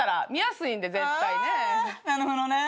あなるほどね。